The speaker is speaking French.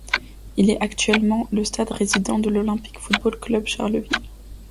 Il est actuellement le stade résident de l'Olympique football club Charleville.